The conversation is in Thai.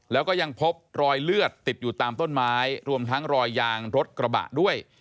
แล้วก็ยังพบรอยเลือดติดอยู่ตามต้นไม้รวมทั้งรอยยางรถกระบะด้วย